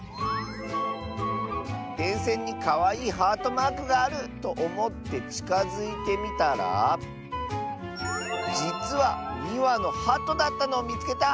「でんせんにかわいいハートマークがあるとおもってちかづいてみたらじつは２わのハトだったのをみつけた！」。